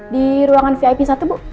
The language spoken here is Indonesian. di ruangan vip satu bu